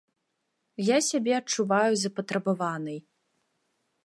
Я сябе адчуваю запатрабаванай.